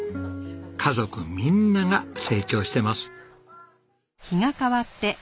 家族みんなが成長してます。